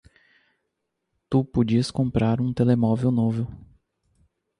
Tu podias comprar um telemóvel novo